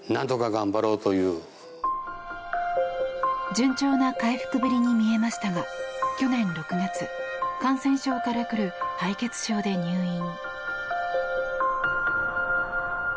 順調な回復ぶりに見えましたが去年６月、感染症からくる敗血症で入院。